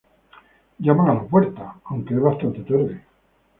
Llaman a la puerta, aunque es bastante tarde.